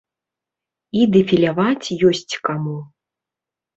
І дэфіляваць ёсць каму.